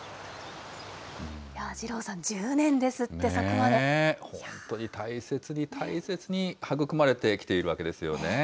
二郎さん、１０年ですって、本当に大切に大切に育まれてきているわけですよね。